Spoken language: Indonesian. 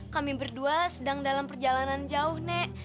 kami berdua sedang dalam perjalanan jauh nek